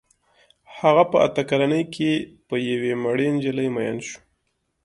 هغه په اته کلنۍ کې په یوې مړې نجلۍ مین شو